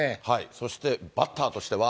そしてバッターとしては。